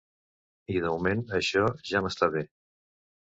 I, de moment, això ja m’està bé.